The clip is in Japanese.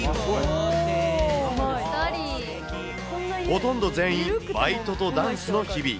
ほとんど全員、バイトとダンスの日々。